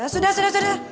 sudah sudah sudah